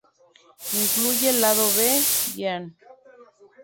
Incluye el Lado-B "Yeah!